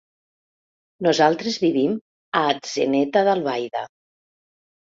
Nosaltres vivim a Atzeneta d'Albaida.